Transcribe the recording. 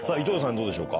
どうでしょうか？